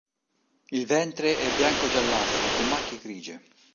Il ventre è bianco-giallastro con macchie grigie.